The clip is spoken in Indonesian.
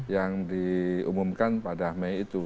yang diumumkan pada mei itu